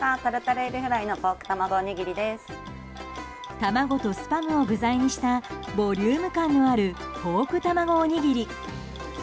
卵とスパムを具材にしたボリューム感のあるポークたまごおにぎり。